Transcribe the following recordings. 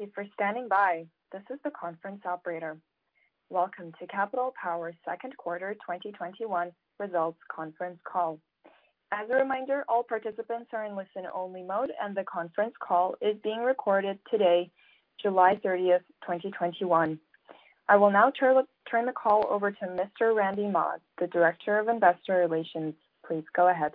Thank you for standing by. This is the conference operator. Welcome to Capital Power's second quarter 2021 results conference call. As a reminder, all participants are in listen-only mode, and the conference call is being recorded today, July 30th, 2021. I will now turn the call over to Mr. Randy Mah, the Director of Investor Relations. Please go ahead.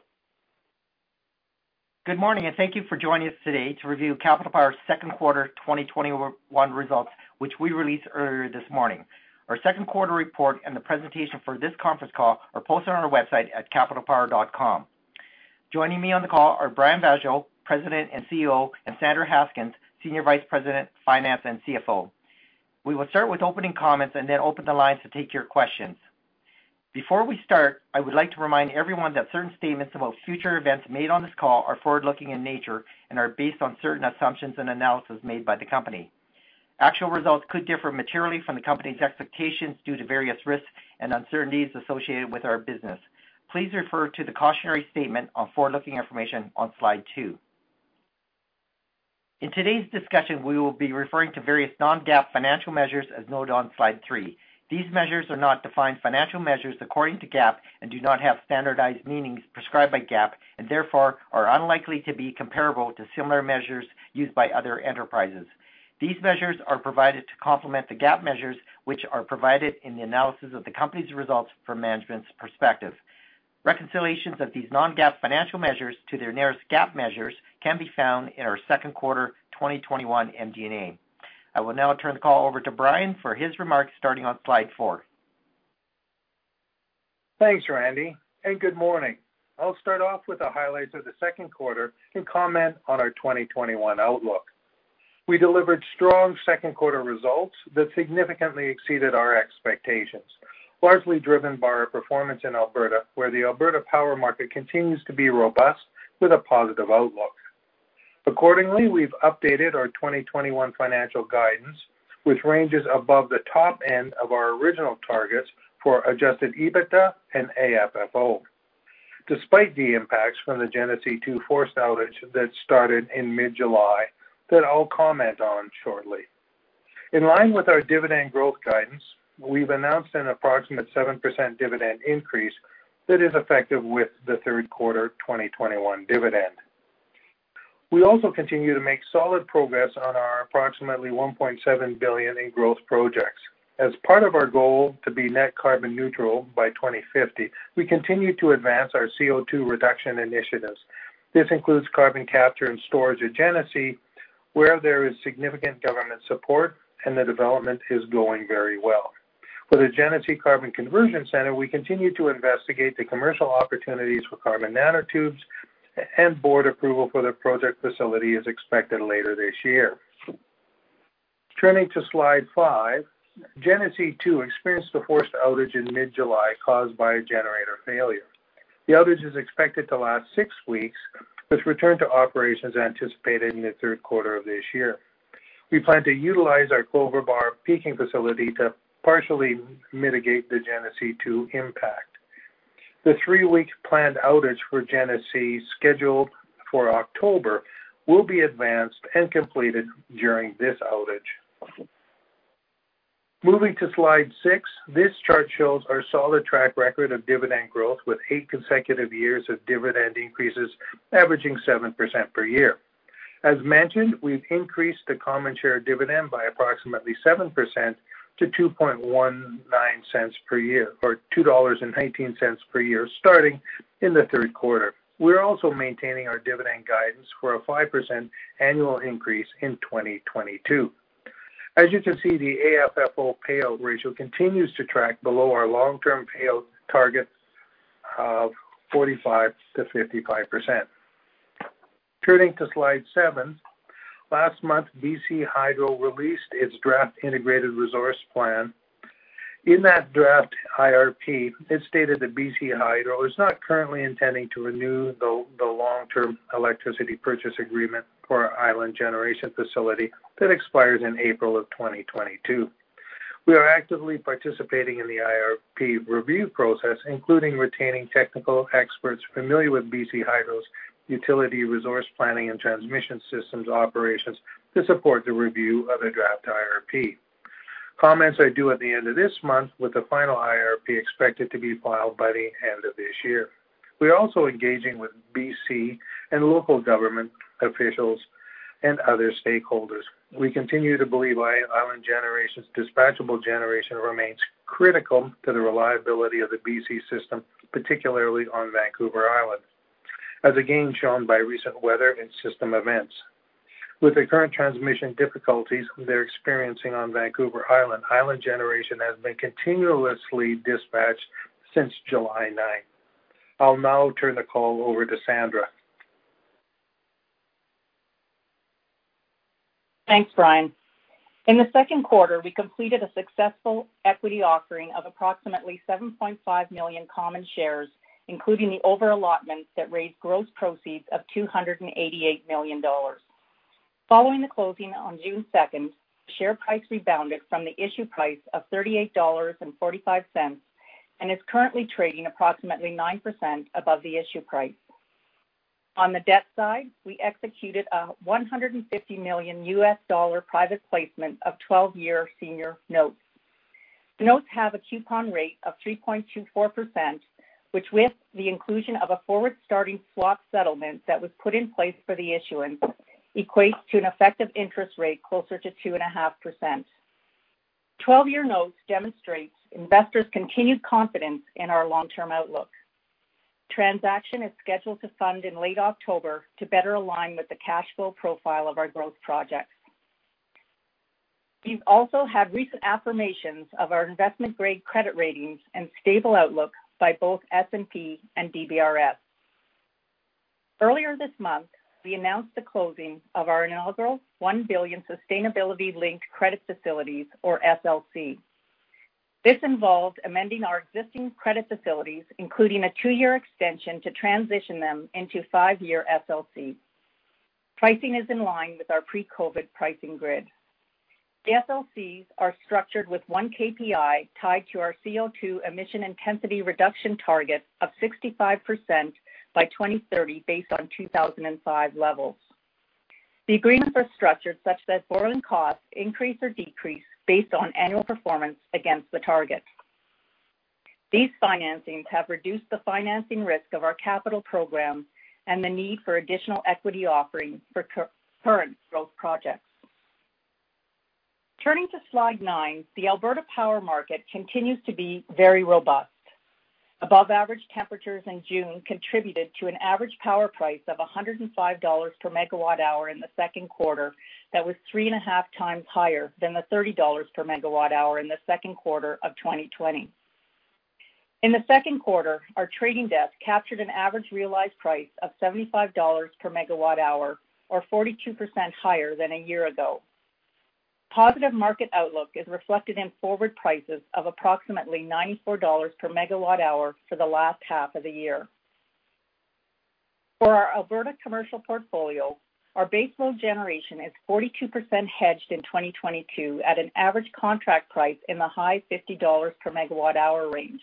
Good morning, and thank you for joining us today to review Capital Power's second quarter 2021 results, which we released earlier this morning. Our second quarter report and the presentation for this conference call are posted on our website at capitalpower.com. Joining me on the call are Brian Vaasjo, President and CEO, and Sandra Haskins, Senior Vice President of Finance and CFO. We will start with opening comments and then open the lines to take your questions. Before we start, I would like to remind everyone that certain statements about future events made on this call are forward-looking in nature and are based on certain assumptions and analysis made by the company. Actual results could differ materially from the company's expectations due to various risks and uncertainties associated with our business. Please refer to the cautionary statement on forward-looking information on slide 2. In today's discussion, we will be referring to various non-GAAP financial measures as noted on slide 3. These measures are not defined financial measures according to GAAP and do not have standardized meanings prescribed by GAAP and therefore are unlikely to be comparable to similar measures used by other enterprises. These measures are provided to complement the GAAP measures, which are provided in the analysis of the company's results from management's perspective. Reconciliations of these non-GAAP financial measures to their nearest GAAP measures can be found in our second quarter 2021 MD&A. I will now turn the call over to Brian for his remarks, starting on slide 4. Thanks, Randy, and good morning. I'll start off with the highlights of the second quarter and comment on our 2021 outlook. We delivered strong second-quarter results that significantly exceeded our expectations, largely driven by our performance in Alberta, where the Alberta power market continues to be robust with a positive outlook. Accordingly, we've updated our 2021 financial guidance, which ranges above the top end of our original targets for Adjusted EBITDA and AFFO, despite the impacts from the Genesee 2 forced outage that started in mid-July that I'll comment on shortly. In line with our dividend growth guidance, we've announced an approximate 7% dividend increase that is effective with the third quarter 2021 dividend. We also continue to make solid progress on our approximately 1.7 billion in growth projects. As part of our goal to be net carbon neutral by 2050, we continue to advance our CO2 reduction initiatives. This includes carbon capture and storage at Genesee, where there is significant government support, and the development is going very well. For the Genesee Carbon Conversion Centre, we continue to investigate the commercial opportunities for carbon nanotubes, and board approval for the project facility is expected later this year. Turning to slide 5, Genesee 2 experienced a forced outage in mid-July caused by a generator failure. The outage is expected to last 6 weeks, with return to operations anticipated in the third quarter of this year. We plan to utilize our Clover Bar peaking facility to partially mitigate the Genesee 2 impact. The three-week planned outage for Genesee scheduled for October will be advanced and completed during this outage. Moving to slide 6, this chart shows our solid track record of dividend growth, with eight consecutive years of dividend increases averaging 7% per year. As mentioned, we've increased the common share dividend by approximately 7% to 2.19 per year starting in the third quarter. We're also maintaining our dividend guidance for a 5% annual increase in 2022. As you can see, the AFFO payout ratio continues to track below our long-term payout targets of 45%-55%. Turning to slide 7, last month, BC Hydro released its draft Integrated Resource Plan. In that draft IRP, it stated that BC Hydro is not currently intending to renew the long-term electricity purchase agreement for our Island Generation facility that expires in April of 2022. We are actively participating in the IRP review process, including retaining technical experts familiar with BC Hydro's utility resource planning and transmission systems operations to support the review of the draft IRP. Comments are due at the end of this month, with the final IRP expected to be filed by the end of this year. We are also engaging with BC and local government officials and other stakeholders. We continue to believe Island Generation's dispatchable generation remains critical to the reliability of the BC system, particularly on Vancouver Island, as again shown by recent weather and system events. With the current transmission difficulties they're experiencing on Vancouver Island Generation has been continuously dispatched since July 9th. I'll now turn the call over to Sandra. Thanks, Brian. In the second quarter, we completed a successful equity offering of approximately 7.5 million common shares, including the over-allotments that raised gross proceeds of 288 million dollars. Following the closing on June 2nd, share price rebounded from the issue price of 38.45 dollars and is currently trading approximately 9% above the issue price. On the debt side, we executed a $150 million USD private placement of 12-year senior notes. The notes have a coupon rate of 3.24%, which with the inclusion of a forward-starting swap settlement that was put in place for the issuance, equates to an effective interest rate closer to 2.5%. 12-year notes demonstrates investors' continued confidence in our long-term outlook. The transaction is scheduled to fund in late October to better align with the cash flow profile of our growth projects. We've also had recent affirmations of our investment-grade credit ratings and stable outlook by both S&P and DBRS. Earlier this month, we announced the closing of our inaugural 1 billion Sustainability-Linked Credit facilities, or SLC. This involved amending our existing credit facilities, including a two-year extension to transition them into five-year SLC. Pricing is in line with our pre-COVID pricing grid. The SLCs are structured with one KPI tied to our CO2 emission intensity reduction target of 65% by 2030, based on 2005 levels. The agreements are structured such that borrowing costs increase or decrease based on annual performance against the target. These financings have reduced the financing risk of our capital programs and the need for additional equity offerings for current growth projects. Turning to slide 9, the Alberta power market continues to be very robust. Above-average temperatures in June contributed to an average power price of 105 dollars per MWh in the second quarter that was three and a half times higher than the 30 dollars per MWh in the second quarter of 2020. In the second quarter, our trading desk captured an average realized price of 75 dollars per MWh, or 42% higher than a year ago. Positive market outlook is reflected in forward prices of approximately 94 dollars per MWh for the last half of the year. For our Alberta commercial portfolio, our baseload generation is 42% hedged in 2022 at an average contract price in the high CAD 50 per MWh range.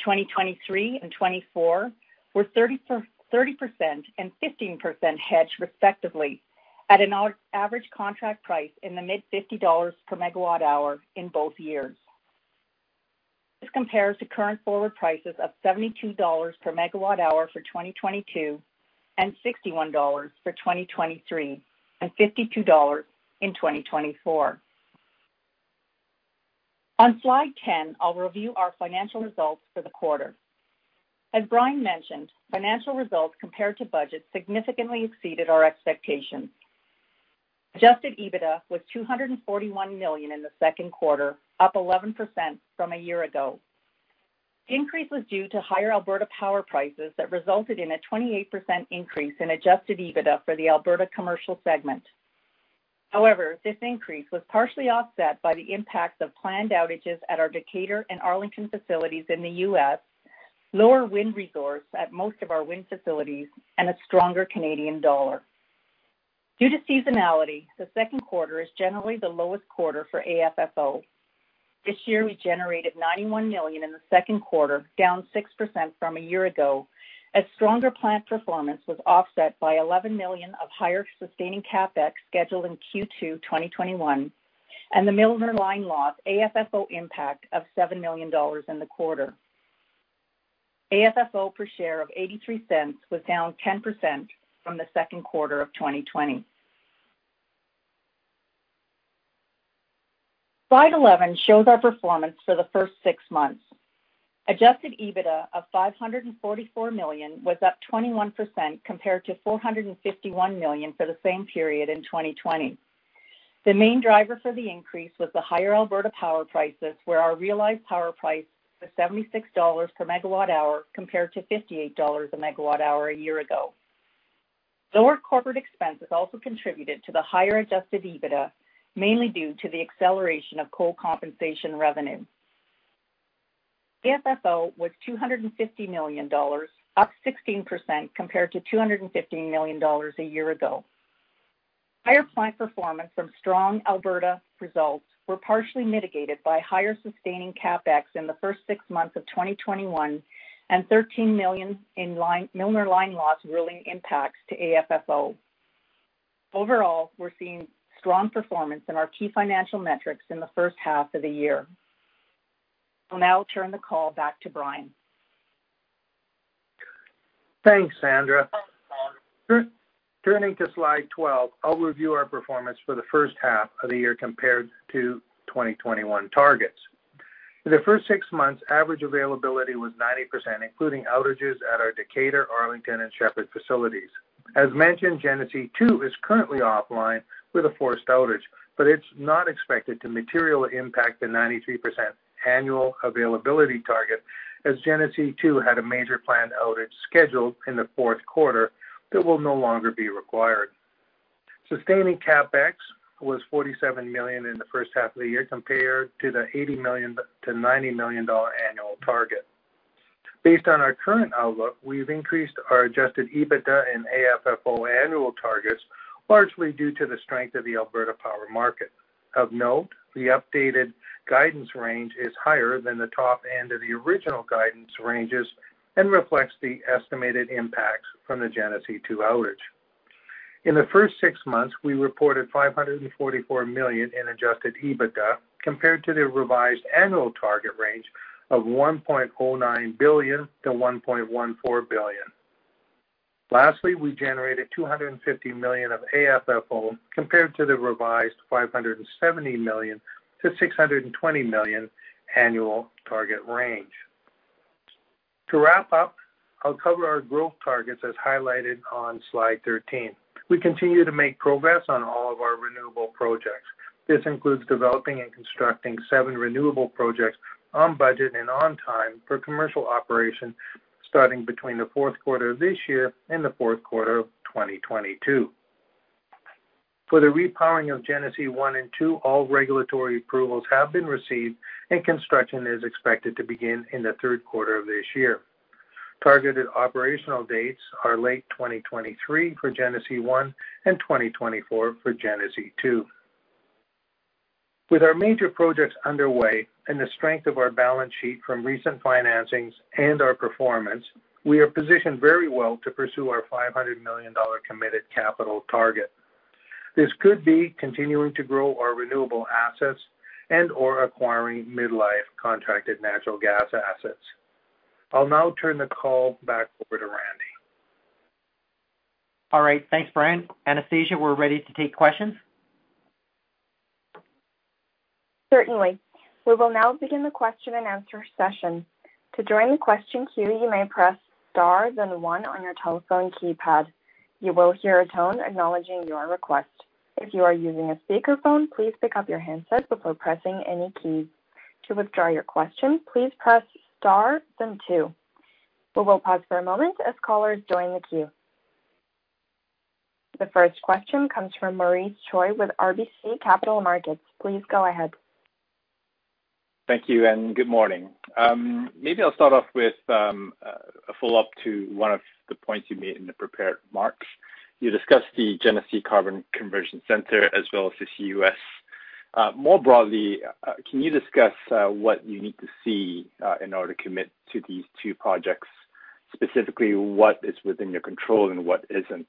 2023 and 2024 were 30% and 15% hedged respectively, at an average contract price in the mid-CAD 50 per MWh in both years. This compares to current forward prices of 72 dollars per MWh for 2022, 61 dollars for 2023, and 52 dollars in 2024. On slide 10, I'll review our financial results for the quarter. As Brian mentioned, financial results compared to budget significantly exceeded our expectations. Adjusted EBITDA was 241 million in the second quarter, up 11% from a year ago. The increase was due to higher Alberta power prices that resulted in a 28% increase in Adjusted EBITDA for the Alberta Commercial Segment. This increase was partially offset by the impacts of planned outages at our Decatur and Arlington facilities in the U.S., lower wind resource at most of our wind facilities, and a stronger Canadian dollar. Due to seasonality, the second quarter is generally the lowest quarter for AFFO. This year, we generated 91 million in the second quarter, down 6% from a year ago, as stronger plant performance was offset by 11 million of higher sustaining CapEx scheduled in Q2 2021, and the Milner line loss AFFO impact of 7 million dollars in the quarter. AFFO per share of 0.83 was down 10% from the second quarter of 2020. Slide 11 shows our performance for the first six months. Adjusted EBITDA of 544 million was up 21% compared to 451 million for the same period in 2020. The main driver for the increase was the higher Alberta power prices, where our realized power price was 76 dollars per MWh compared to 58 dollars a MWh a year ago. Lower corporate expenses also contributed to the higher Adjusted EBITDA, mainly due to the acceleration of coal compensation revenue. AFFO was 250 million dollars, up 16% compared to 215 million dollars a year ago. Higher plant performance from strong Alberta results were partially mitigated by higher sustaining CapEx in the first six months of 2021, and 13 million in Milner line loss ruling impacts to AFFO. Overall, we're seeing strong performance in our key financial metrics in the 1st half of the year. I'll now turn the call back to Brian. Thanks, Sandra. Turning to slide 12, I'll review our performance for the first half of the year compared to 2021 targets. For the first six months, average availability was 90%, including outages at our Decatur, Arlington, and Shepard facilities. As mentioned, Genesee 2 is currently offline with a forced outage, but it's not expected to materially impact the 93% annual availability target, as Genesee 2 had a major planned outage scheduled in the fourth quarter that will no longer be required. Sustaining CapEx was 47 million in the first half of the year compared to the 80 million-90 million dollar annual target. Based on our current outlook, we've increased our Adjusted EBITDA and AFFO annual targets. Largely due to the strength of the Alberta Power market. Of note, the updated guidance range is higher than the top end of the original guidance ranges and reflects the estimated impacts from the Genesee 2 outage. In the first six months, we reported 544 million in Adjusted EBITDA, compared to the revised annual target range of 1.09 billion-1.14 billion. Lastly, we generated 250 million of AFFO, compared to the revised 570 million-620 million annual target range. To wrap up, I'll cover our growth targets as highlighted on slide 13. We continue to make progress on all of our renewable projects. This includes developing and constructing seven renewable projects on budget and on time for commercial operation, starting between the fourth quarter of this year and the fourth quarter of 2022. For the repowering of Genesee 1 and 2, all regulatory approvals have been received, and construction is expected to begin in the third quarter of this year. Targeted operational dates are late 2023 for Genesee 1 and 2024 for Genesee 2. With our major projects underway and the strength of our balance sheet from recent financings and our performance, we are positioned very well to pursue our 500 million dollar committed capital target. This could be continuing to grow our renewable assets and/or acquiring mid-life contracted natural gas assets. I'll now turn the call back over to Randy. All right. Thanks, Brian. Anastasia, we're ready to take questions. Certainly. We will now begin the question-and-answer session. The first question comes from Maurice Choy with RBC Capital Markets. Please go ahead. Thank you and good morning. Maybe I'll start off with a follow-up to one of the points you made in the prepared remarks. You discussed the Genesee Carbon Conversion Centre as well as the CCUS. More broadly, can you discuss what you need to see in order to commit to these two projects? Specifically, what is within your control and what isn't?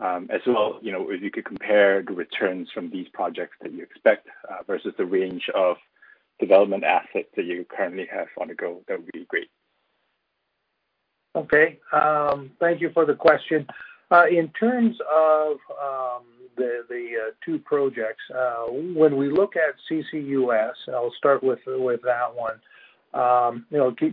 As well, if you could compare the returns from these projects that you expect versus the range of development assets that you currently have on the go, that would be great. Okay. Thank you for the question. In terms of the two projects, when we look at CCUS, I'll start with that one.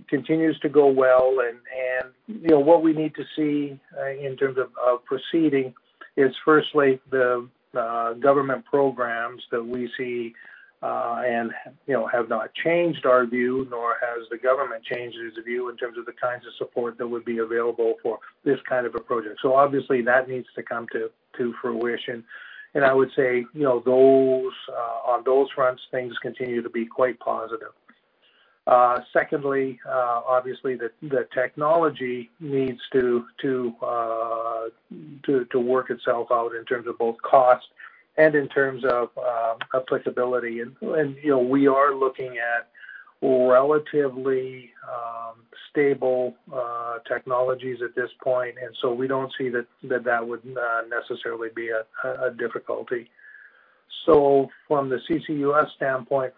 Continues to go well, and what we need to see in terms of proceeding is firstly the government programs that we see and have not changed our view, nor has the government changed its view in terms of the kinds of support that would be available for this kind of a project. Obviously that needs to come to fruition. I would say on those fronts, things continue to be quite positive. Secondly, obviously the technology needs to work itself out in terms of both cost and in terms of applicability. We are looking at relatively stable technologies at this point, and so we don't see that that would necessarily be a difficulty. From the CCUS standpoint,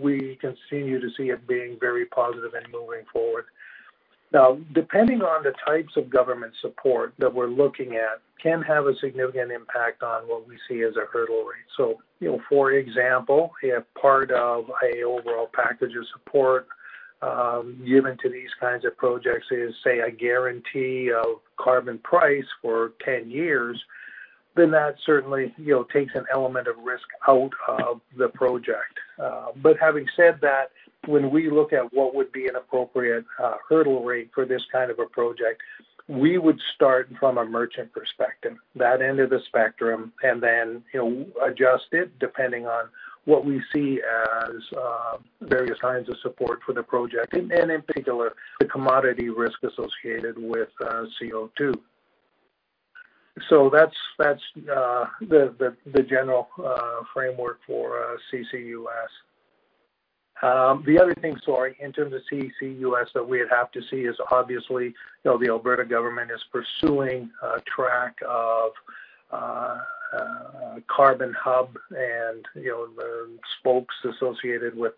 we continue to see it being very positive and moving forward. Depending on the types of government support that we're looking at can have a significant impact on what we see as a hurdle rate. For example, if part of a overall package of support given to these kinds of projects is, say, a guarantee of carbon price for ten years, then that certainly takes an element of risk out of the project. Having said that, when we look at what would be an appropriate hurdle rate for this kind of a project, we would start from a merchant perspective, that end of the spectrum, and then adjust it depending on what we see as various kinds of support for the project, and in particular, the commodity risk associated with CO2. That's the general framework for CCUS. The other thing, sorry, in terms of CCUS that we would have to see is obviously the Alberta government is pursuing a track of a carbon hub and the spokes associated with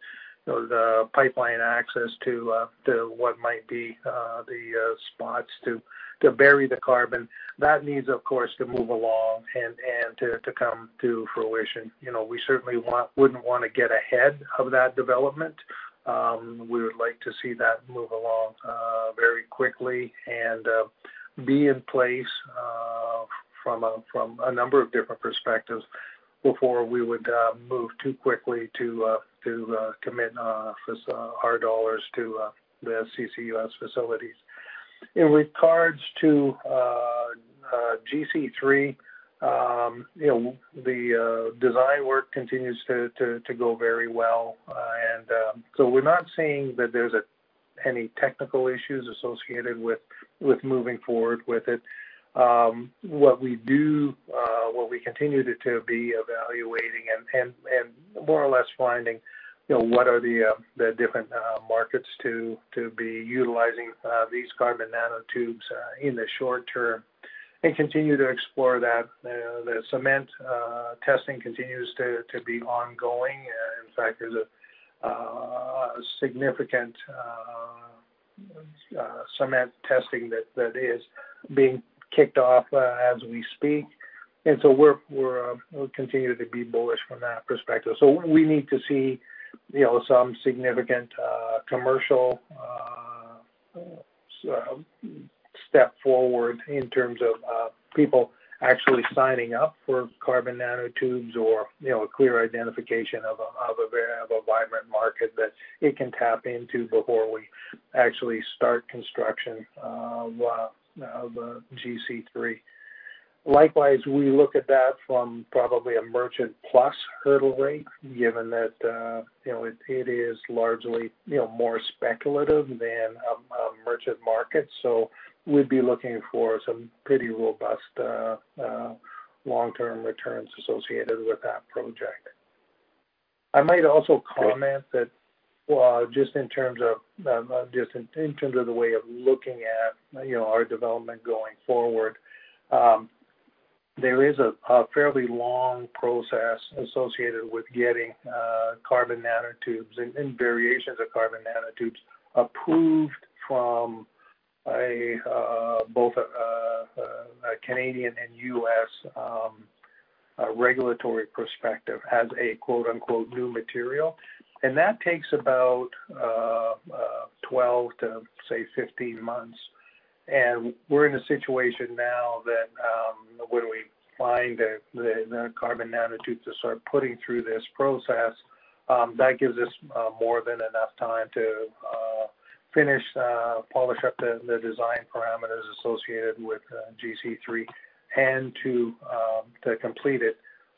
the pipeline access to what might be the spots to bury the carbon. That needs, of course, to move along and to come to fruition. We certainly wouldn't want to get ahead of that development. We would like to see that move along very quickly and be in place from a number of different perspectives before we would move too quickly to commit our dollars to the CCUS facilities. In regards to GC3, the design work continues to go very well. So we're not saying that there's any technical issues associated with moving forward with it. What we continue to be evaluating and more or less finding what are the different markets to be utilizing these carbon nanotubes in the short term, and continue to explore that. The cement testing continues to be ongoing. In fact, there's a significant cement testing that is being kicked off as we speak. We'll continue to be bullish from that perspective. We need to see some significant commercial step forward in terms of people actually signing up for carbon nanotubes or a clear identification of a vibrant market that it can tap into before we actually start construction of GC3. Likewise, we look at that from probably a merchant plus hurdle rate, given that it is largely more speculative than a merchant market. We'd be looking for some pretty robust long-term returns associated with that project. I might also comment that just in terms of the way of looking at our development going forward. There is a fairly long process associated with getting carbon nanotubes and variations of carbon nanotubes approved from both a Canadian and U.S. regulatory perspective as a "new material." That takes about 12 to 15 months. We're in a situation now that when we find the carbon nanotubes to start putting through this process. That gives us more than enough time to finish, polish up the design parameters associated with GC3, and to complete it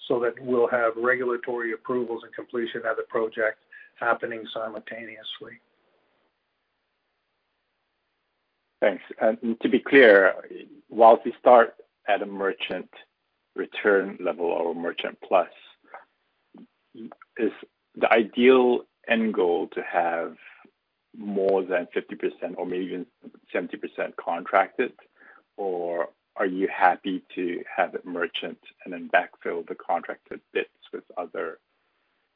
so that we'll have regulatory approvals and completion of the project happening simultaneously. Thanks. To be clear, while we start at a merchant return level or merchant plus, is the ideal end goal to have more than 50% or maybe even 70% contracted? Are you happy to have it merchant and then backfill the contracted bits with other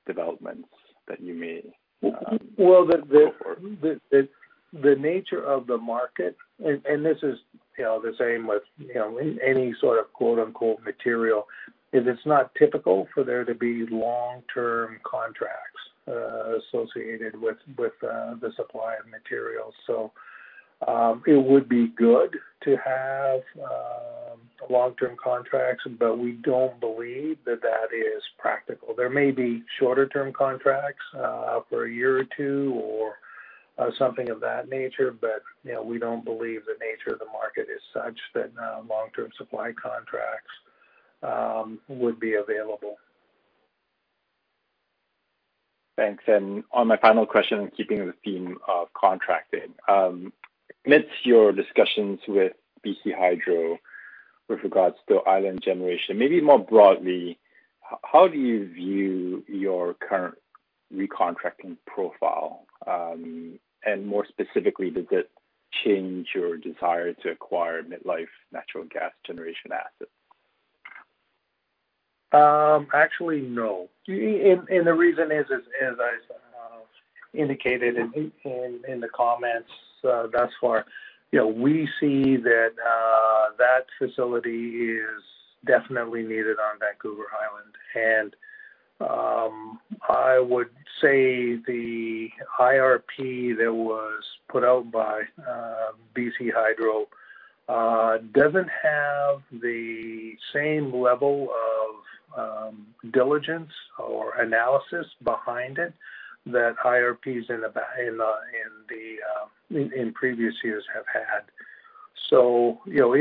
developments that you may go for? The nature of the market, and this is the same with any sort of "material," is it's not typical for there to be long-term contracts associated with the supply of materials. It would be good to have long-term contracts, but we don't believe that that is practical. There may be shorter-term contracts for a year or two or something of that nature, but we don't believe the nature of the market is such that long-term supply contracts would be available. Thanks. On my final question, keeping in the theme of contracting, amidst your discussions with BC Hydro with regards to Island Generation, maybe more broadly, how do you view your current recontracting profile? More specifically, does it change your desire to acquire mid-life natural gas generation assets? Actually, no. The reason is, as I indicated in the comments thus far. We see that that facility is definitely needed on Vancouver Island. I would say the IRP that was put out by BC Hydro doesn't have the same level of diligence or analysis behind it that IRPs in previous years have had.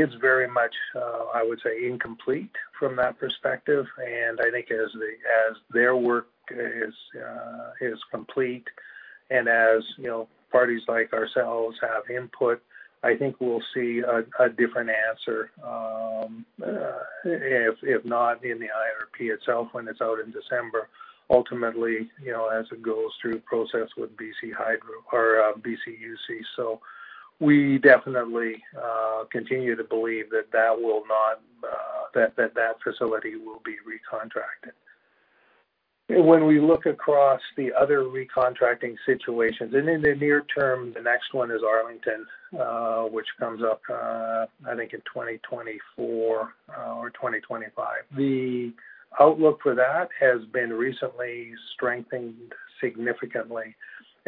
It's very much, I would say, incomplete from that perspective, and I think as their work is complete and as parties like ourselves have input, I think we'll see a different answer. If not in the IRP itself when it's out in December, ultimately as it goes through process with BC Hydro or BCUC. We definitely continue to believe that that facility will be recontracted. When we look across the other recontracting situations, and in the near term, the next one is Arlington, which comes up I think in 2024 or 2025. The outlook for that has been recently strengthened significantly,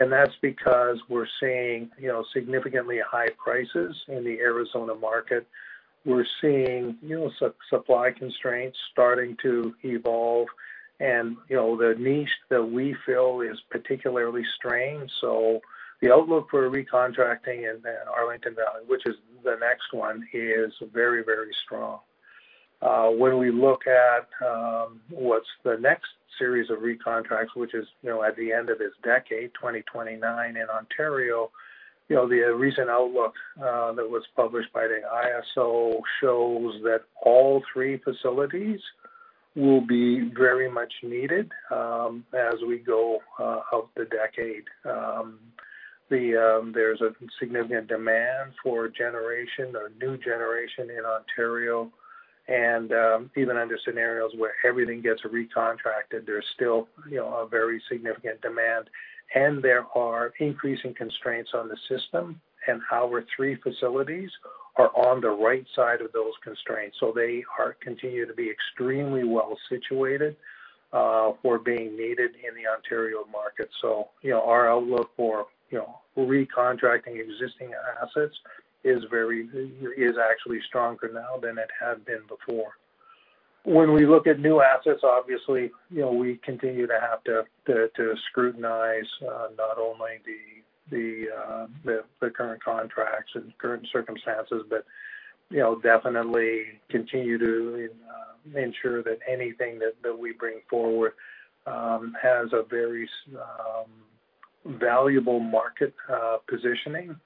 and that's because we're seeing significantly high prices in the Arizona market. We're seeing supply constraints starting to evolve. The niche that we fill is particularly strained. The outlook for recontracting in Arlington Valley, which is the next one, is very strong. When we look at what's the next series of re-contracts, which is at the end of this decade, 2029 in Ontario, the recent outlook that was published by the ISO shows that all three facilities will be very much needed as we go out the decade. There's a significant demand for generation or new generation in Ontario. Even under scenarios where everything gets recontracted, there's still a very significant demand, and there are increasing constraints on the system. Our three facilities are on the right side of those constraints. They continue to be extremely well-situated for being needed in the Ontario market. Our outlook for recontracting existing assets is actually stronger now than it had been before. When we look at new assets, obviously, we continue to have to scrutinize not only the current contracts and current circumstances, but definitely continue to ensure that anything that we bring forward has a very valuable market positioning,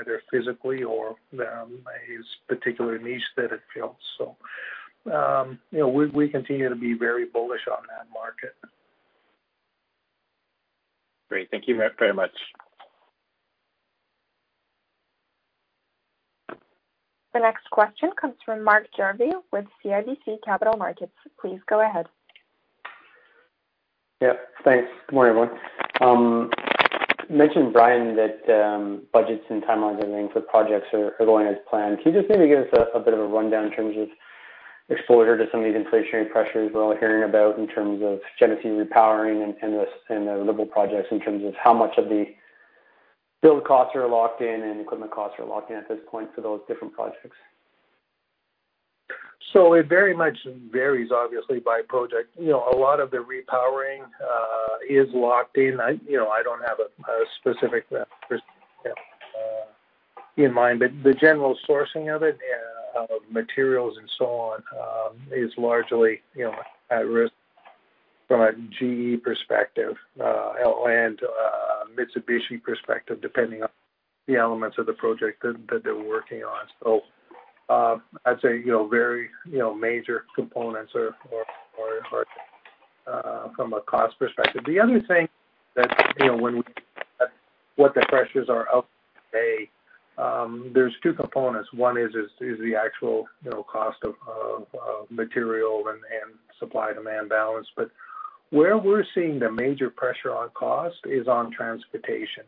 either physically or a particular niche that it fills. We continue to be very bullish on that market. Great. Thank you very much. The next question comes from Mark Jarvi with CIBC Capital Markets. Please go ahead. Yeah. Thanks. Good morning, everyone. You mentioned, Brian, that budgets and timelines are linked for projects are going as planned. Can you just maybe give us a bit of a rundown in terms of exposure to some of these inflationary pressures we're all hearing about in terms of Genesee Repowering and the liberal projects in terms of how much of the build costs are locked in and equipment costs are locked in at this point for those different projects? It very much varies, obviously, by project. A lot of the repowering is locked in. I don't have a specific in mind, but the general sourcing of it, of materials and so on, is largely at risk from a GE perspective, and a Mitsubishi perspective, depending on the elements of the project that they're working on. I'd say, very major components are from a cost perspective. The other thing that, when we look at what the pressures are out today, there's two components. One is the actual cost of material and supply-demand balance. Where we're seeing the major pressure on cost is on transportation.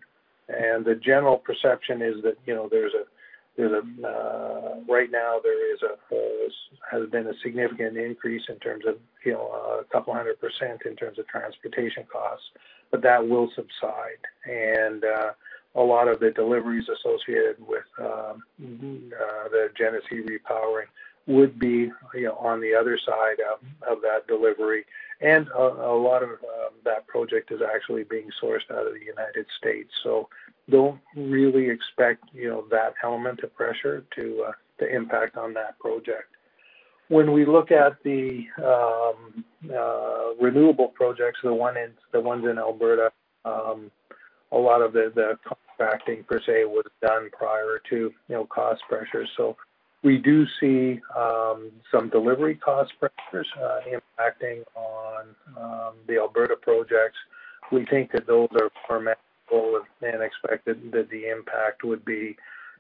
The general perception is that right now, there has been a significant increase in terms of a couple 100% in terms of transportation costs, but that will subside. A lot of the deliveries associated with the Genesee Repowering would be on the other side of that delivery. A lot of that project is actually being sourced out of the United States, don't really expect that element of pressure to impact on that project. We look at the renewable projects, the ones in Alberta, a lot of the contracting per se, was done prior to cost pressures. We do see some delivery cost pressures impacting on the Alberta projects. We think that those are and expected that the impact would be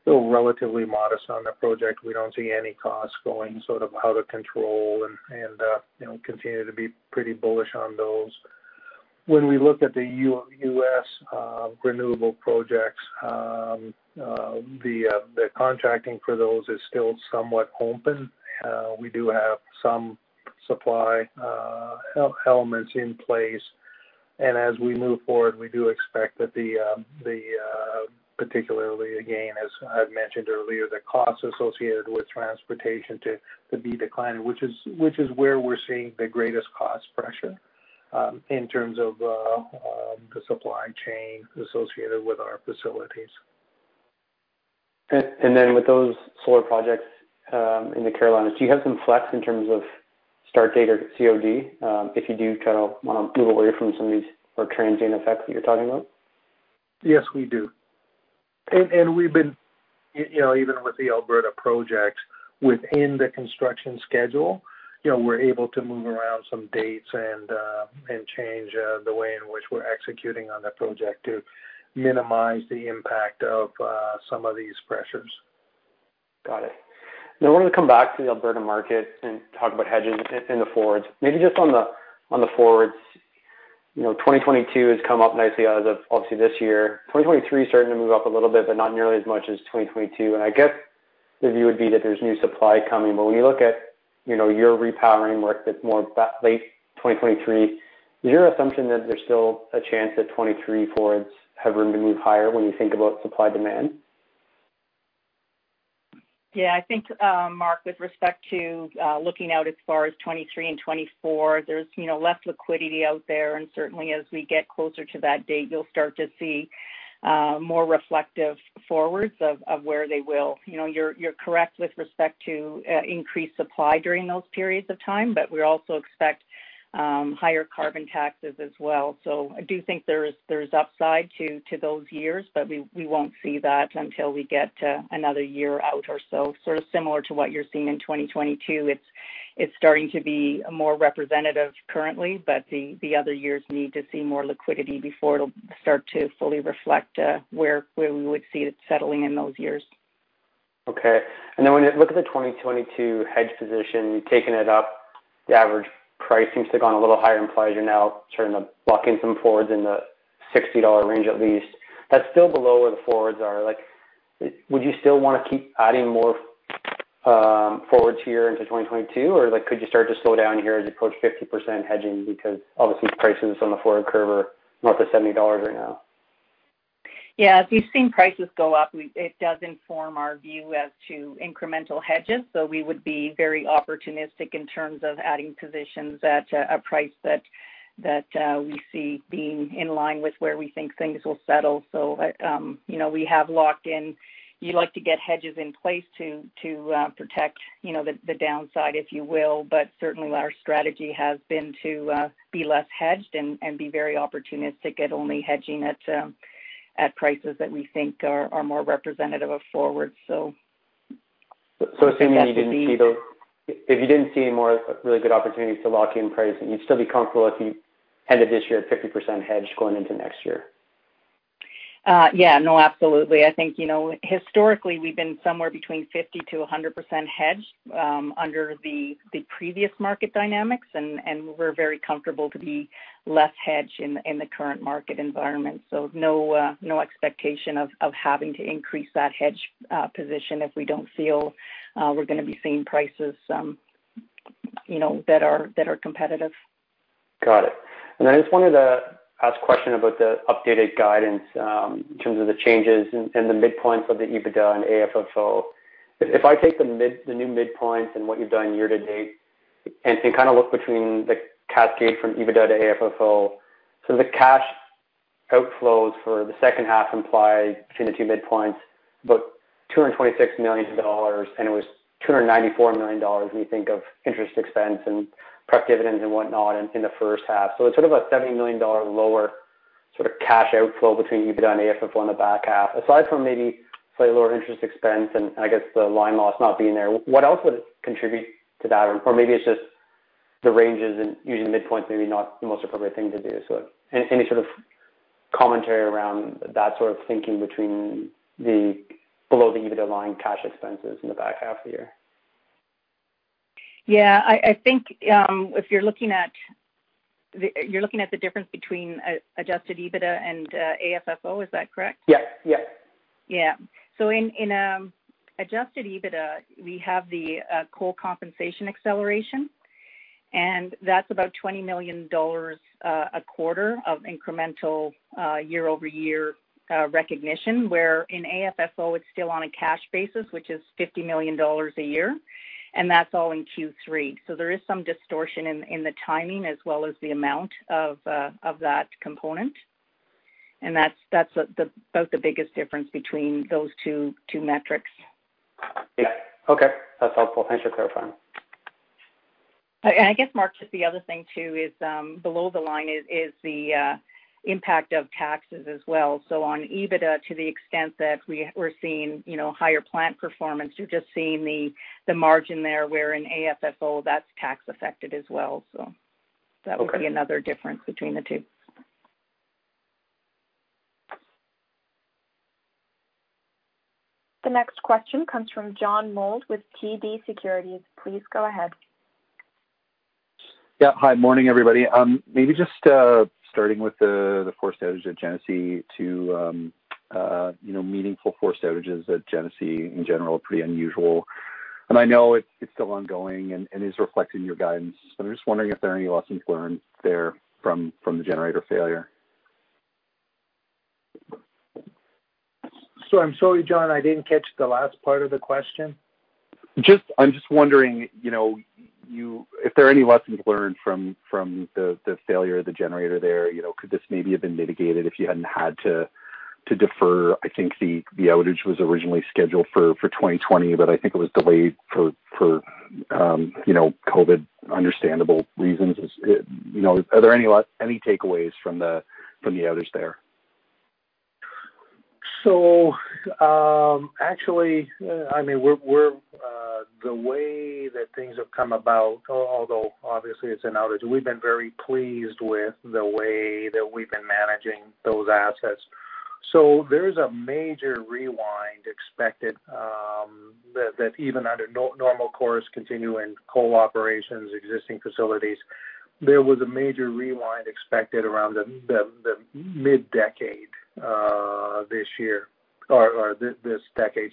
relatively modest on the project. We don't see any costs going out of control, continue to be pretty bullish on those. We look at the U.S. renewable projects, the contracting for those is still somewhat open. We do have some supply elements in place. As we move forward, we do expect that particularly again, as I've mentioned earlier, the costs associated with transportation to be declining, which is where we're seeing the greatest cost pressure in terms of the supply chain associated with our facilities. With those solar projects in the Carolinas, do you have some flex in terms of start date or COD? If you do, kind of move away from some of these more transient effects that you're talking about? Yes, we do. We've been, even with the Alberta project within the construction schedule, we're able to move around some dates and change the way in which we're executing on that project to minimize the impact of some of these pressures. Got it. I wanted to come back to the Alberta market and talk about hedges in the forwards. Just on the forwards. 2022 has come up nicely as of, obviously, this year. 2023 is starting to move up a little bit, not nearly as much as 2022. I guess the view would be that there's new supply coming. When you look at your repowering work that's more late 2023, is your assumption that there's still a chance that 2023 forwards have room to move higher when you think about supply-demand? I think, Mark, with respect to looking out as far as 2023 and 2024, there's less liquidity out there. Certainly as we get closer to that date, you'll start to see more reflective forwards of where they will. You're correct with respect to increased supply during those periods of time, we also expect higher carbon taxes as well. I do think there is upside to those years, we won't see that until we get to another year out or so. Sort of similar to what you're seeing in 2022. It's starting to be more representative currently, the other years need to see more liquidity before it'll start to fully reflect where we would see it settling in those years. Okay. When you look at the 2022 hedge position, you've taken it up. The average price seems to have gone a little higher, implies you're now starting to lock in some forwards in the 60 dollar range at least. That's still below where the forwards are. Would you still want to keep adding more forwards here into 2022? Or could you start to slow down here as you approach 50% hedging? Obviously the prices on the forward curve are north of 70 dollars right now. Yeah. As we've seen prices go up, it does inform our view as to incremental hedges. We would be very opportunistic in terms of adding positions at a price that we see being in line with where we think things will settle. We have locked in. You like to get hedges in place to protect the downside, if you will. Certainly our strategy has been to be less hedged and be very opportunistic at only hedging at prices that we think are more representative of forward. Assuming you didn't see any more really good opportunities to lock in pricing, you'd still be comfortable if you ended this year at 50% hedged going into next year? Yeah. No, absolutely. I think, historically, we've been somewhere between 50%-100% hedged under the previous market dynamics, and we're very comfortable to be less hedged in the current market environment. No expectation of having to increase that hedged position if we don't feel we're going to be seeing prices that are competitive. Got it. I just wanted to ask a question about the updated guidance in terms of the changes in the midpoints of the EBITDA and AFFO. If I take the new midpoints and what you've done year-to-date and kind of look between the cascade from EBITDA to AFFO, the cash outflows for the second half imply between the two midpoints about 226 million dollars, and it was 294 million dollars when you think of interest expense and pref dividends and whatnot in the first half. It's sort of a 70 million dollar lower sort of cash outflow between EBITDA and AFFO in the back half. Aside from maybe slightly lower interest expense and I guess the line loss not being there, what else would contribute to that? Maybe it's just the ranges and using the midpoint maybe not the most appropriate thing to do. Any sort of commentary around that sort of thinking between below the EBITDA line cash expenses in the back half of the year? Yeah. I think, if you're looking at the difference between Adjusted EBITDA and AFFO, is that correct? Yes. Yeah. In Adjusted EBITDA, we have the coal compensation acceleration, and that's about 20 million dollars a quarter of incremental year-over-year recognition. Where in AFFO, it's still on a cash basis, which is 50 million dollars a year, and that's all in Q3. There is some distortion in the timing as well as the amount of that component, and that's about the biggest difference between those two metrics. Yeah. Okay. That's helpful. Thanks for clarifying. I guess, Mark, just the other thing too is, below the line is the impact of taxes as well. On EBITDA, to the extent that we're seeing higher plant performance, you're just seeing the margin there where in AFFO that's tax affected as well. That would be another difference between the two. The next question comes from John Mould with TD Securities. Please go ahead. Hi. Morning, everybody. Maybe just starting with the forced outage at Genesee two meaningful forced outages at Genesee in general are pretty unusual. I know it's still ongoing and is reflected in your guidance. I'm just wondering if there are any lessons learned there from the generator failure. I'm sorry, John, I didn't catch the last part of the question. I'm just wondering if there are any lessons learned from the failure of the generator there? Could this maybe have been mitigated if you hadn't had to defer, I think the outage was originally scheduled for 2020, but I think it was delayed for COVID understandable reasons? Are there any takeaways from the others there? Actually, the way that things have come about, although obviously it's an outage, we've been very pleased with the way that we've been managing those assets. There is a major rewind expected, that even under normal course continuing coal operations, existing facilities, there was a major rewind expected around the mid decade, this year or this decade.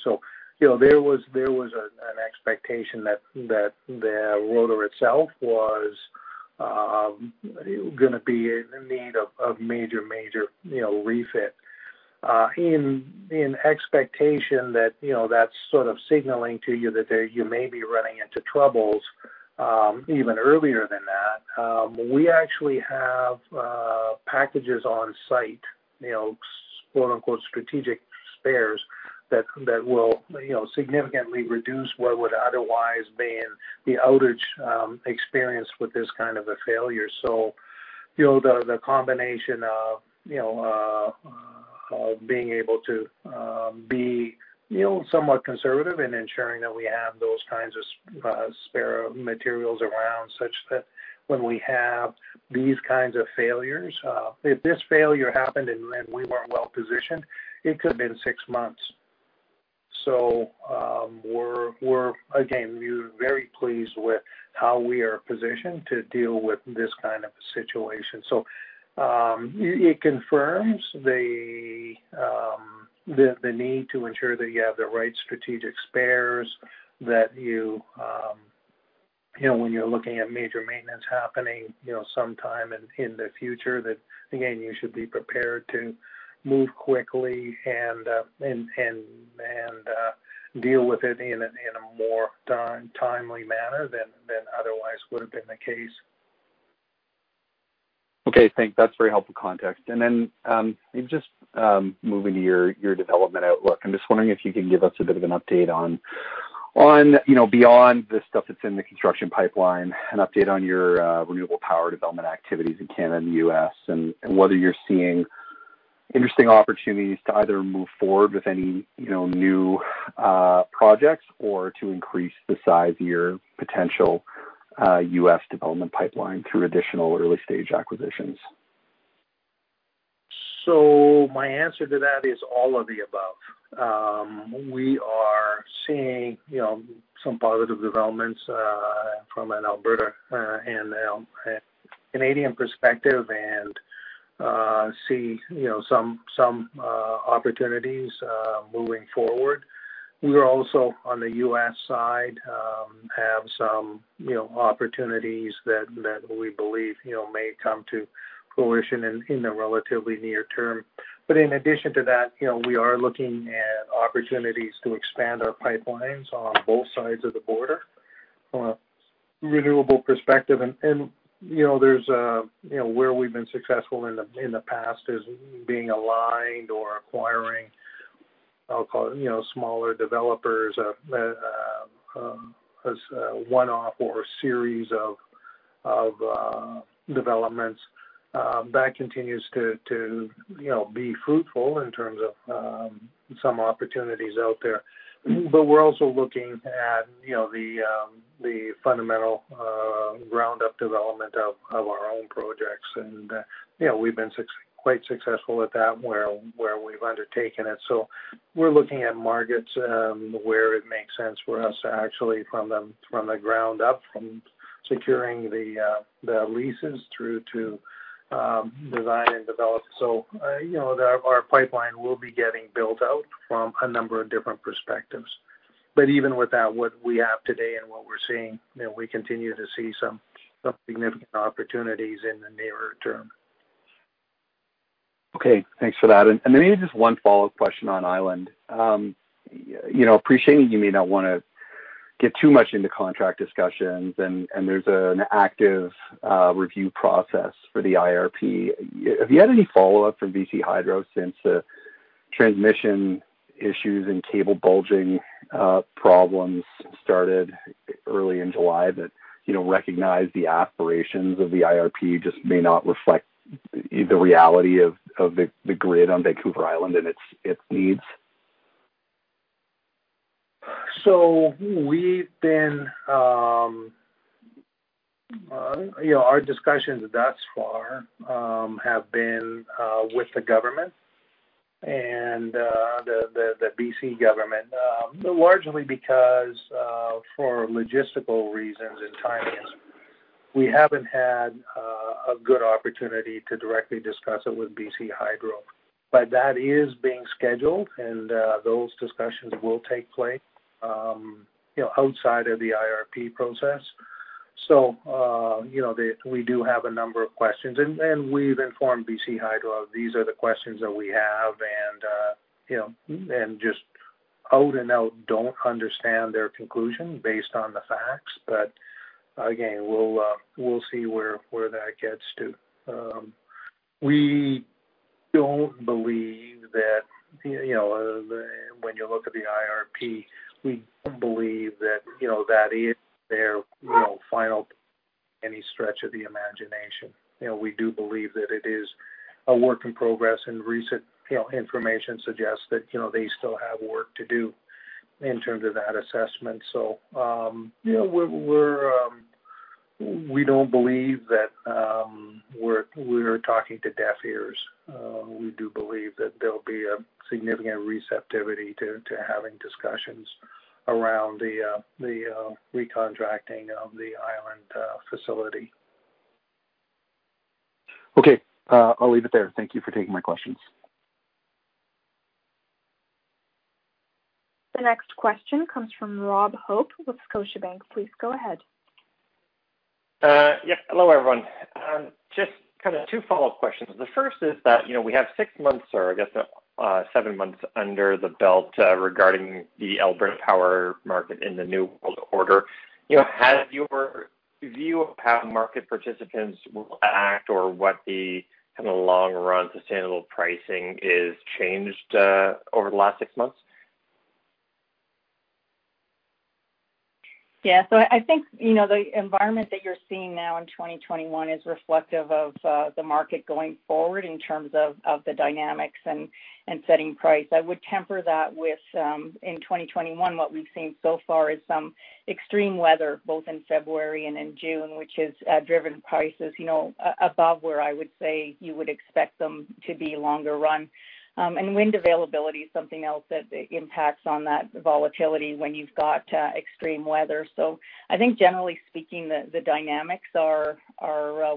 There was an expectation that the rotor itself was going to be in need of major refit. In expectation that sort of signaling to you that you may be running into troubles Even earlier than that. We actually have packages on site, "strategic spares" that will significantly reduce what would otherwise been the outage experience with this kind of a failure. The combination of being able to be somewhat conservative in ensuring that we have those kinds of spare materials around, such that when we have these kinds of failures. If this failure happened and we weren't well-positioned, it could've been six months. We're, again, very pleased with how we are positioned to deal with this kind of a situation. It confirms the need to ensure that you have the right strategic spares, that when you're looking at major maintenance happening sometime in the future, that again, you should be prepared to move quickly and deal with it in a more timely manner than otherwise would've been the case. Okay, thanks. That is very helpful context. Just moving to your development outlook, I am just wondering if you can give us a bit of an update on beyond the stuff that is in the construction pipeline, an update on your renewable power development activities in Canada and the U.S., and whether you are seeing interesting opportunities to either move forward with any new projects or to increase the size of your potential U.S. development pipeline through additional early-stage acquisitions. My answer to that is all of the above. We are seeing some positive developments from an Alberta and a Canadian perspective and see some opportunities moving forward. We are also on the U.S. side, have some opportunities that we believe may come to fruition in the relatively near term. In addition to that, we are looking at opportunities to expand our pipelines on both sides of the border from a renewable perspective. Where we've been successful in the past is being aligned or acquiring, I'll call it, smaller developers as a one-off or a series of developments. That continues to be fruitful in terms of some opportunities out there. We're also looking at the fundamental ground-up development of our own projects, and we've been quite successful at that where we've undertaken it. We're looking at markets where it makes sense for us to actually from the ground up, from securing the leases through to design and develop. Our pipeline will be getting built out from a number of different perspectives. Even with that, what we have today and what we're seeing, we continue to see some significant opportunities in the nearer term. Okay. Thanks for that. Maybe just one follow-up question on Island. Appreciating you may not want to get too much into contract discussions and there's an active review process for the IRP. Have you had any follow-up from BC Hydro since the transmission issues and cable bulge problems started early in July that recognized the aspirations of the IRP just may not reflect the reality of the grid on Vancouver Island and its needs? Our discussions thus far have been with the government and the BC government, largely because, for logistical reasons and timing, we haven't had a good opportunity to directly discuss it with BC Hydro. That is being scheduled, and those discussions will take place outside of the IRP process. We do have a number of questions, and we've informed BC Hydro these are the questions that we have and just out and out don't understand their conclusion based on the facts. We'll see where that gets to. We don't believe that when you look at the IRP, we believe that that is their final by any stretch of the imagination. We do believe that it is a work in progress, and recent information suggests that they still have work to do in terms of that assessment. We don't believe that we're talking to deaf ears. We do believe that there will be a significant receptivity to having discussions around the recontracting of the Island facility. Okay. I'll leave it there. Thank you for taking my questions. The next question comes from Rob Hope with Scotiabank. Please go ahead. Yes. Hello, everyone. Just kind of two follow-up questions. The first is that we have six months, or I guess seven months under the belt regarding the Alberta power market in the new world order. Has your view of how market participants will act or what the long-run sustainable pricing is changed over the last six months? Yeah. I think, the environment that you're seeing now in 2021 is reflective of the market going forward in terms of the dynamics and setting price. I would temper that with, in 2021, what we've seen so far is some extreme weather, both in February and in June, which has driven prices above where I would say you would expect them to be longer run. Wind availability is something else that impacts on that volatility when you've got extreme weather. I think generally speaking, the dynamics are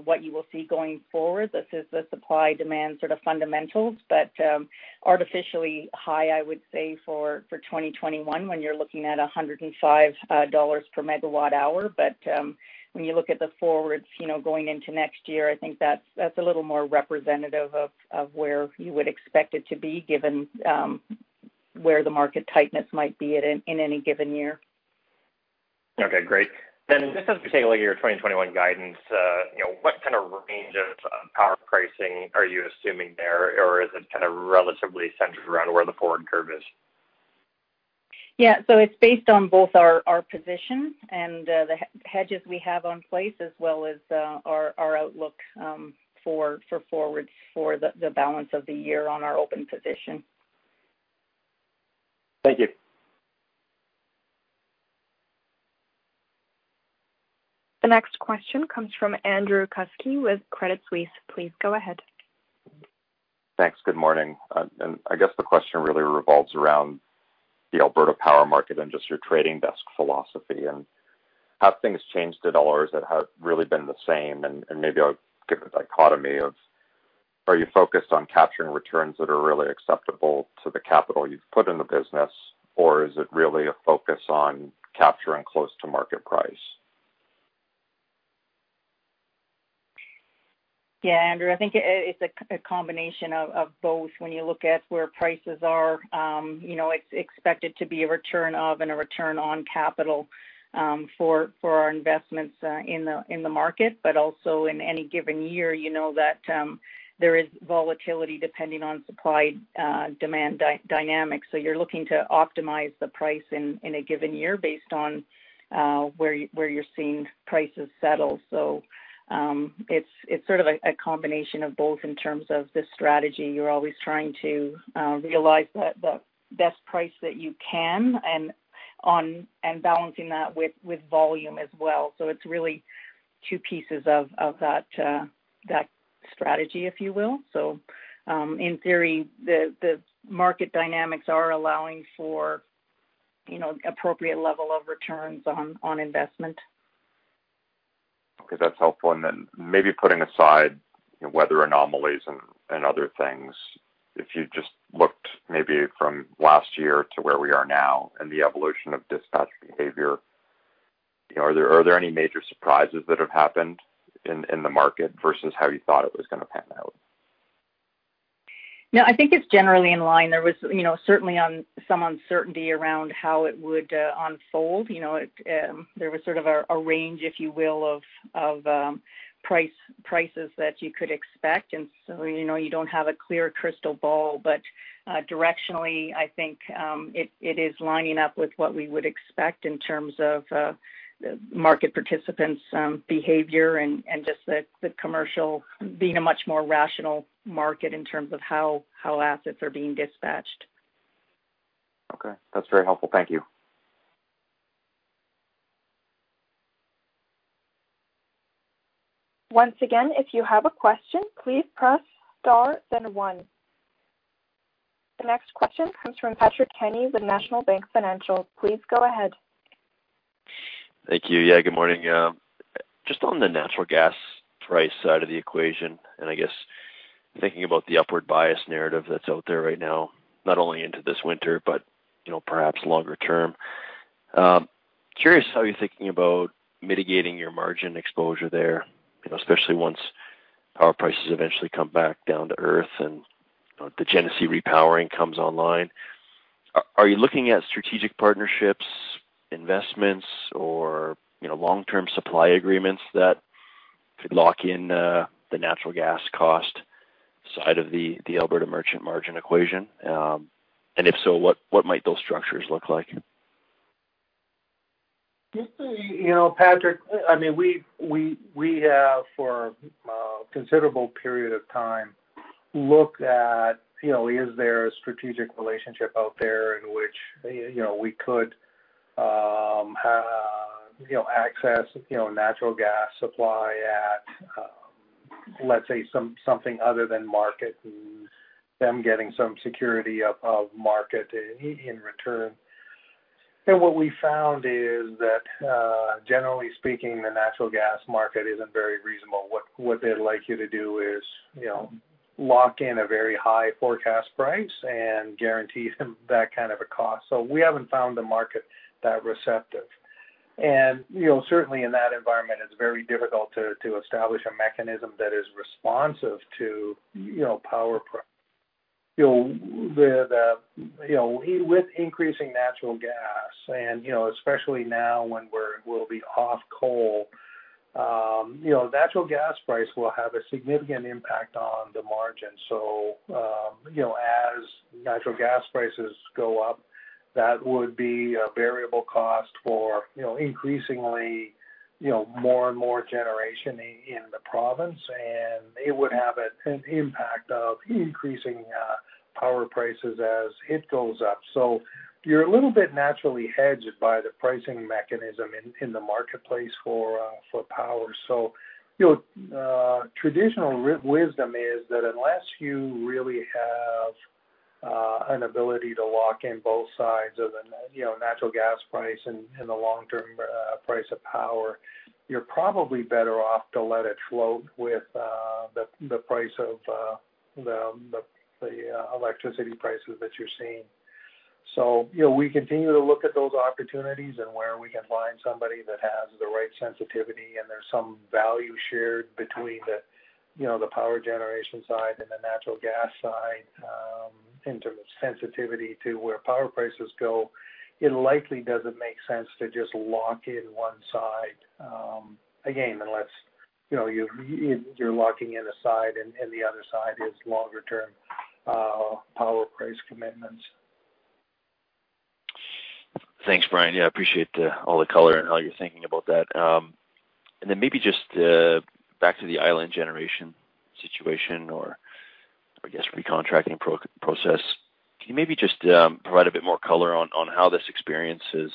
what you will see going forward. This is the supply-demand sort of fundamentals, but artificially high, I would say for 2021 when you're looking at 105 dollars per MWh. When you look at the forwards going into next year, I think that is a little more representative of where you would expect it to be given where the market tightness might be at in any given year. Okay, great. Just as we take a look at your 2021 guidance, what kind of range of power pricing are you assuming there? Or is it kind of relatively centered around where the forward curve is? Yeah. It's based on both our position and the hedges we have in place as well as our outlook for forwards for the balance of the year on our open position. Thank you. The next question comes from Andrew Kuske with Credit Suisse. Please go ahead. Thanks. Good morning. I guess the question really revolves around the Alberta power market and just your trading desk philosophy. Have things changed at all or has it really been the same? Maybe I'll give a dichotomy of, are you focused on capturing returns that are really acceptable to the capital you've put in the business, or is it really a focus on capturing close to market price? Andrew, I think it's a combination of both when you look at where prices are. It's expected to be a return of and a return on capital, for our investments in the market, but also in any given year, you know that there is volatility depending on supply-demand dynamics. You're looking to optimize the price in a given year based on where you're seeing prices settle. It's sort of a combination of both in terms of the strategy. You're always trying to realize the best price that you can and balancing that with volume as well. It's really two pieces of that strategy, if you will. In theory, the market dynamics are allowing for appropriate level of returns on investment. Okay. That's helpful. Maybe putting aside weather anomalies and other things, if you just looked maybe from last year to where we are now and the evolution of dispatch behavior, are there any major surprises that have happened in the market versus how you thought it was going to pan out? No, I think it's generally in line. There was certainly some uncertainty around how it would unfold. There was sort of a range, if you will, of prices that you could expect. You don't have a clear crystal ball, but directionally, I think, it is lining up with what we would expect in terms of market participants' behavior and just the commercial being a much more rational market in terms of how assets are being dispatched. Okay. That's very helpful. Thank you. Once again, if you have a question, please press star then 1. The next question comes from Patrick Kenny with National Bank Financial. Please go ahead. Thank you. Yeah, good morning. Just on the natural gas price side of the equation, and I guess thinking about the upward bias narrative that's out there right now, not only into this winter but perhaps longer term. Curious how you're thinking about mitigating your margin exposure there, especially once power prices eventually come back down to earth and the Genesee Repowering comes online. Are you looking at strategic partnerships, investments, or long-term supply agreements that could lock in the natural gas cost side of the Alberta merchant margin equation? If so, what might those structures look like? You know, Patrick, we have for a considerable period of time looked at is there a strategic relationship out there in which we could access natural gas supply at, let's say, something other than market and them getting some security of market in return. What we found is that, generally speaking, the natural gas market isn't very reasonable. What they'd like you to do is lock in a very high forecast price and guarantee them that kind of a cost. We haven't found the market that receptive. Certainly in that environment, it's very difficult to establish a mechanism that is responsive to power. With increasing natural gas and especially now when we'll be off coal, natural gas price will have a significant impact on the margin. As natural gas prices go up, that would be a variable cost for increasingly more and more generation in the province, and it would have an impact of increasing power prices as it goes up. You're a little bit naturally hedged by the pricing mechanism in the marketplace for power. Traditional wisdom is that unless you really have an ability to lock in both sides of the natural gas price and the long-term price of power, you're probably better off to let it float with the price of the electricity prices that you're seeing. We continue to look at those opportunities and where we can find somebody that has the right sensitivity and there's some value shared between the power generation side and the natural gas side in terms of sensitivity to where power prices go. It likely doesn't make sense to just lock in one side. Again, unless you're locking in a side and the other side is longer-term power price commitments. Thanks, Brian. Yeah, appreciate all the color and all your thinking about that. Maybe just back to the Island Generation situation or I guess recontracting process. Can you maybe just provide a bit more color on how this experience has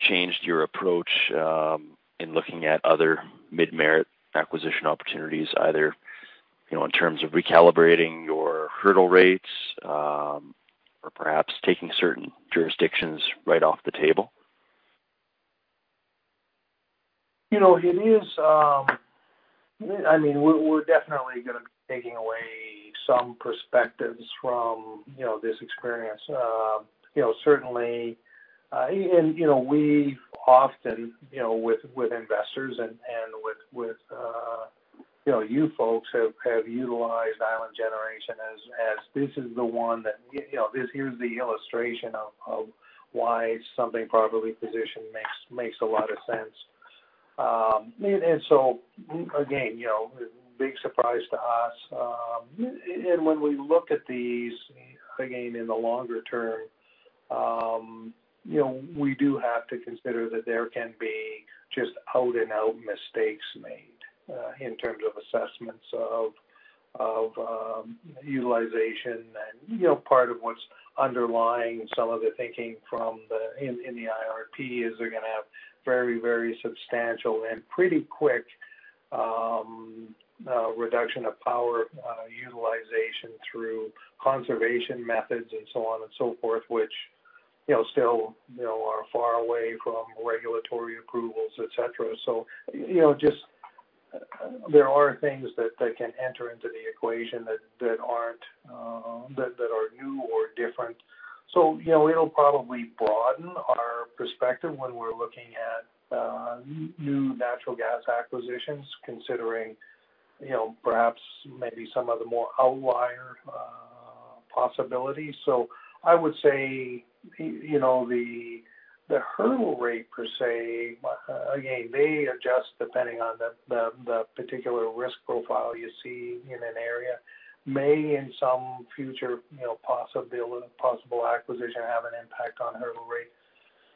changed your approach in looking at other mid-merit acquisition opportunities, either in terms of recalibrating your hurdle rates or perhaps taking certain jurisdictions right off the table? We're definitely going to be taking away some perspectives from this experience. Certainly, we often with investors and with you folks have utilized Island Generation as this is the one that, here's the illustration of why something properly positioned makes a lot of sense. Again, big surprise to us. When we look at these, again, in the longer term, we do have to consider that there can be just out-and-out mistakes made in terms of assessments of utilization. Part of what's underlying some of the thinking in the IRP is they're going to have very, very substantial and pretty quick reduction of power utilization through conservation methods and so on and so forth, which still are far away from regulatory approvals, et cetera. There are things that can enter into the equation that are new or different. It'll probably broaden our perspective when we're looking at new natural gas acquisitions, considering perhaps maybe some of the more outlier possibilities. I would say the hurdle rate per se, again, may adjust depending on the particular risk profile you see in an area. May in some future possible acquisition have an impact on hurdle rate.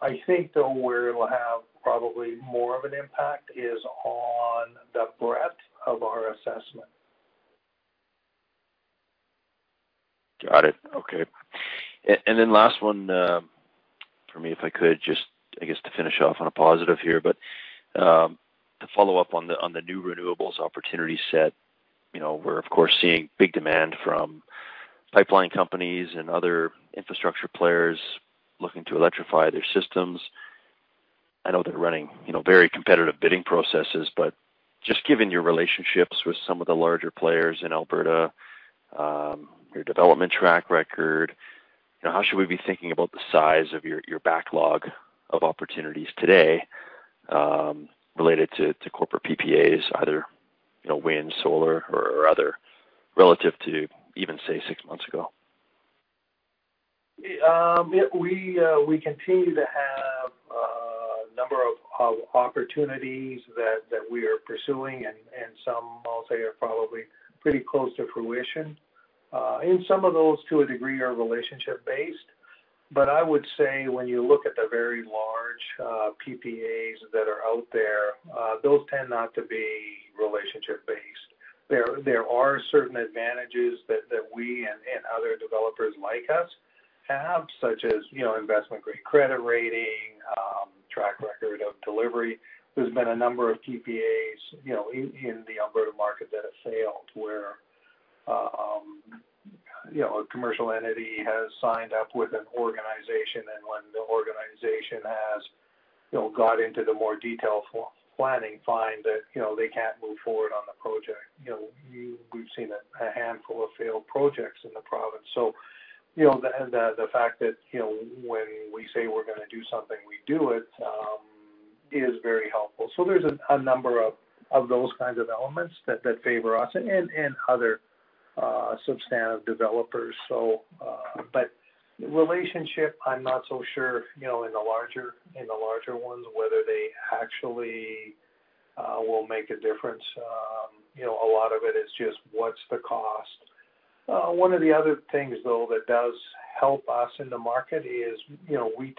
I think though where it'll have probably more of an impact is on the breadth of our assessment. Got it. Okay. Last one for me, if I could just, I guess to finish off on a positive here, but to follow up on the new renewables opportunity set. We're of course seeing big demand from pipeline companies and other infrastructure players looking to electrify their systems. I know they're running very competitive bidding processes, but just given your relationships with some of the larger players in Alberta, your development track record, how should we be thinking about the size of your backlog of opportunities today related to corporate PPAs, either wind, solar or other, relative to even, say, six months ago? We continue to have a number of opportunities that we are pursuing and some I'll say are probably pretty close to fruition. Some of those to a degree are relationship based. I would say when you look at the very large PPAs that are out there, those tend not to be relationship based. There are certain advantages that we and other developers like us have, such as investment-grade credit rating, track record of delivery. There's been a number of PPAs in the Alberta market that have failed where a commercial entity has signed up with an organization and when the organization has got into the more detailed planning, find that they can't move forward on the project. We've seen a handful of failed projects in the province. The fact that when we say we're going to do something, we do it is very helpful. There's a number of those kinds of elements that favor us and other substantive developers. Relationship, I'm not so sure in the larger ones, whether they actually will make a difference. A lot of it is just what's the cost. One of the other things, though, that does help us in the market is we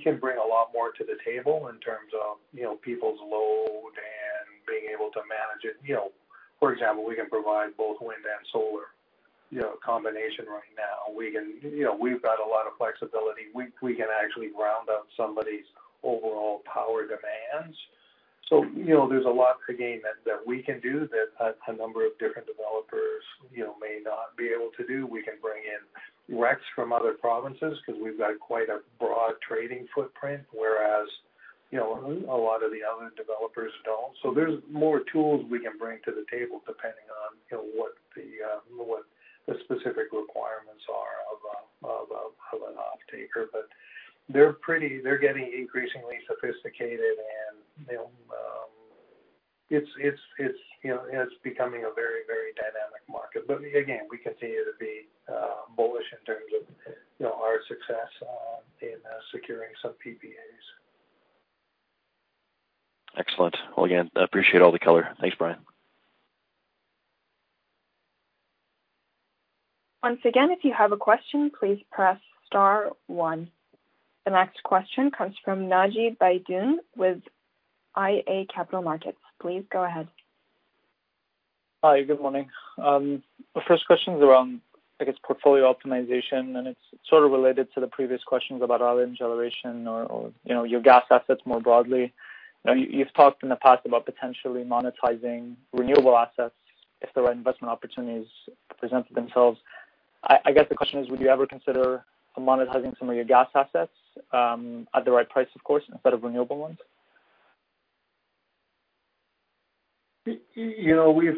can bring a lot more to the table in terms of people's load and being able to manage it. For example, we can provide both wind and solar combination right now. We've got a lot of flexibility. We can actually round up somebody's overall power demands. There's a lot to gain that we can do that a number of different developers may not be able to do. We can bring in RECs from other provinces because we've got quite a broad trading footprint, whereas a lot of the other developers don't. There's more tools we can bring to the table depending on what the specific requirements are of an offtaker. They're getting increasingly sophisticated, and it's becoming a very dynamic market. Again, we continue to be bullish in terms of our success in securing some PPAs. Excellent. Well, again, I appreciate all the color. Thanks, Brian. Once again, if you have a question, please press star one. The next question comes from Naji Baydoun with iA Capital Markets. Please go ahead. Hi. Good morning. The first question is around, I guess, portfolio optimization, and it's sort of related to the previous questions about Island Generation or your gas assets more broadly. You've talked in the past about potentially monetizing renewable assets if the right investment opportunities present themselves. I guess the question is, would you ever consider monetizing some of your gas assets, at the right price, of course, instead of renewable ones? We're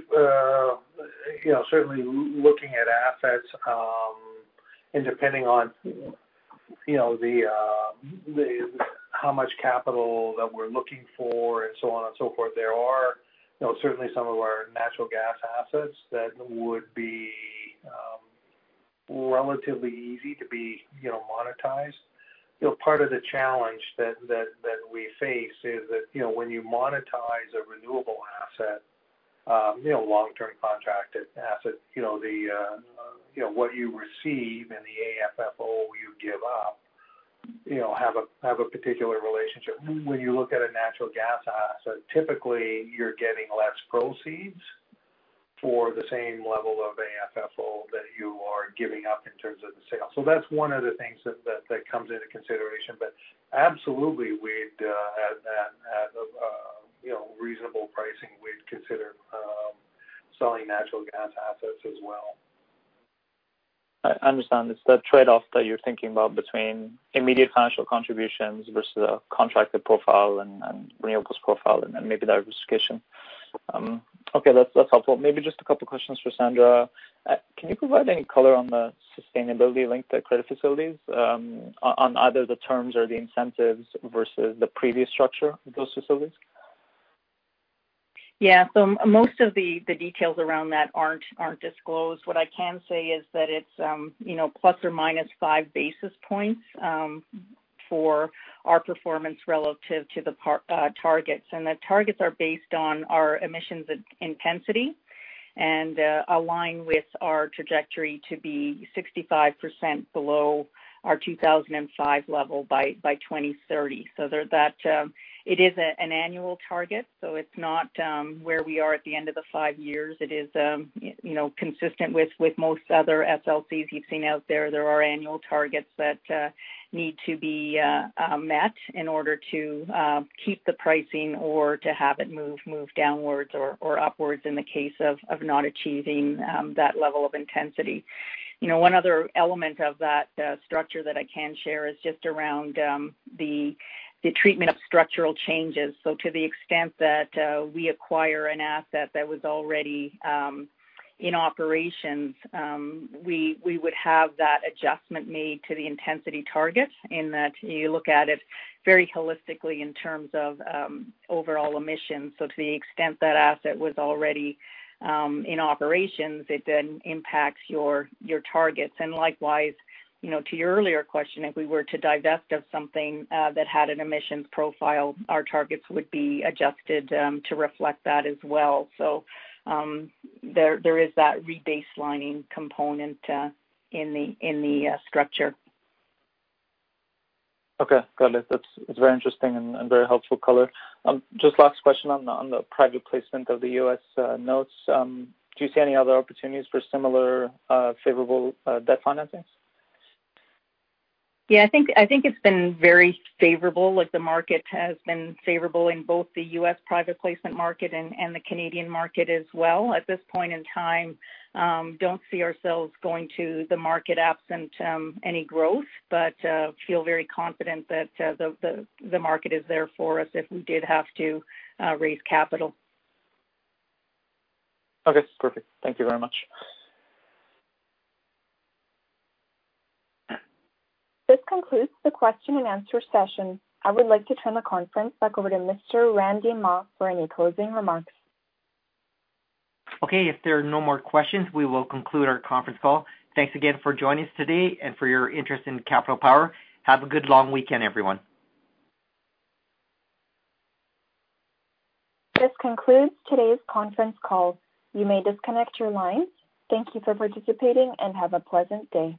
certainly looking at assets, depending on how much capital that we're looking for and so on and so forth, there are certainly some of our natural gas assets that would be relatively easy to be monetized. Part of the challenge that we face is that when you monetize a renewable asset, long-term contracted asset, what you receive and the AFFO you give up have a particular relationship. When you look at a natural gas asset, typically, you're getting less proceeds for the same level of AFFO that you are giving up in terms of the sale. That's one of the things that comes into consideration. Absolutely, at a reasonable pricing, we'd consider selling natural gas assets as well. I understand. It's the trade-off that you're thinking about between immediate financial contributions versus a contracted profile and renewables profile and maybe the diversification. Okay, that's helpful. Maybe just a couple questions for Sandra. Can you provide any color on the Sustainability-Linked Credit facilities on either the terms or the incentives versus the previous structure of those facilities? Most of the details around that aren't disclosed. What I can say is that it's ±5 basis points for our performance relative to the targets. The targets are based on our emissions intensity and align with our trajectory to be 65% below our 2005 level by 2030. It is an annual target, so it's not where we are at the end of the 5 years. It is consistent with most other SLCs you've seen out there. There are annual targets that need to be met in order to keep the pricing or to have it move downwards or upwards in the case of not achieving that level of intensity. One other element of that structure that I can share is just around the treatment of structural changes. To the extent that we acquire an asset that was already in operations, we would have that adjustment made to the intensity target in that you look at it very holistically in terms of overall emissions. To the extent that asset was already in operations, it then impacts your targets. Likewise, to your earlier question, if we were to divest of something that had an emissions profile, our targets would be adjusted to reflect that as well. There is that rebaselining component in the structure. Okay, got it. That's very interesting and very helpful color. Just last question on the private placement of the U.S. notes. Do you see any other opportunities for similar favorable debt financings? I think it's been very favorable. The market has been favorable in both the U.S. private placement market and the Canadian market as well. At this point in time, don't see ourselves going to the market absent any growth, but feel very confident that the market is there for us if we did have to raise capital. Okay, perfect. Thank you very much. This concludes the question-and-answer session. I would like to turn the conference back over to Mr. Randy Mah for any closing remarks. If there are no more questions, we will conclude our conference call. Thanks again for joining us today and for your interest in Capital Power. Have a good long weekend, everyone. This concludes today's conference call. You may disconnect your lines. Thank you for participating, and have a pleasant day.